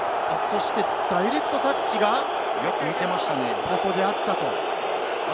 ダイレクトタッチがここであったと。